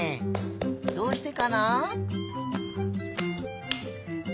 どうしてかな？